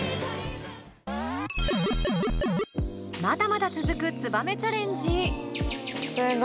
まだまだ続く「ツバメチャレンジ」！